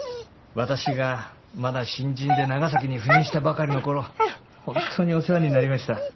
私がまだ新人で長崎に赴任したばかりの頃本当にお世話になりました。